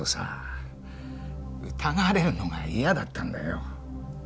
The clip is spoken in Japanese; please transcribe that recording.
疑われるのが嫌だったんだよ。